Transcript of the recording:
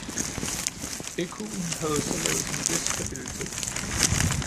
Ecuen havde således en vis stabilitet.